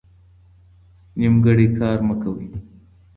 نیمګړی کار مه کوئ.